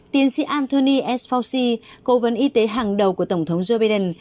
tiến sĩ anthony e fauci cố vấn y tế hàng đầu của tổng thống joe biden